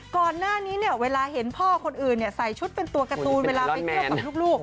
ก่อนหน้านี้เนี่ยเวลาเห็นพ่อคนอื่นใส่ชุดเป็นตัวการ์ตูนเวลาไปเที่ยวกับลูก